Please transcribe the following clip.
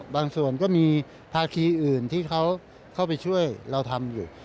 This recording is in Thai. ส่วนก็มีภาคีอื่นที่เขาเข้าไปช่วยเราทำอยู่